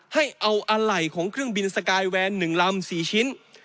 ให้เอาอะไหล่ของเครื่องบินสกายแวน๑ลำ๔ชิ้น